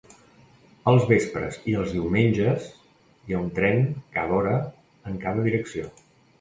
Els vespres i els diumenges hi ha un tren cada hora en cada direcció.